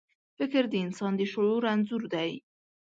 فکر د انسان د شعور انځور دی.